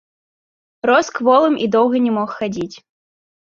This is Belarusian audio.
Рос кволым і доўга ня мог хадзіць.